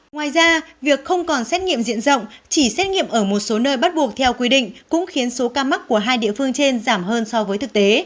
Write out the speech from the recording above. ngoài ra việc không còn xét nghiệm diện rộng chỉ xét nghiệm ở một số nơi bắt buộc theo quy định cũng khiến số ca mắc của hai địa phương trên giảm hơn so với thực tế